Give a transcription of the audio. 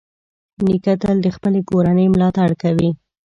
نیکه تل د خپلې کورنۍ ملاتړ کوي.